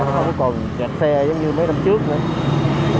không còn chạy xe giống như mấy năm trước nữa